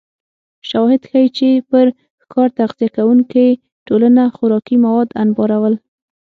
شواهد ښيي چې پر ښکار تغذیه کېدونکې ټولنې خوراکي مواد انبارول